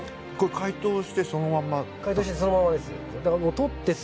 解凍してそのままです。